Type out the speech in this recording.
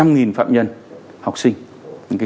nghìn phạm nhân học sinh